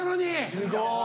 すごい。